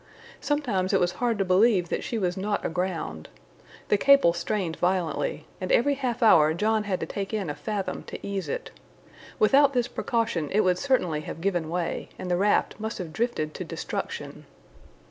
Sometimes it was hard to believe that she was not aground. The cable strained violently, and every half hour John had to take in a fathom to ease it. Without this precaution it would certainly have given way, and the raft must have drifted to destruction.